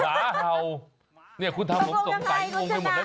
หมาเห่านี่คุณท่านผมสงใจงงไปหมดแล้วเนี่ย